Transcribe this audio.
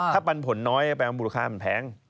ถ้าปันผลน้อยแปลว่ามูลค่ามันแพง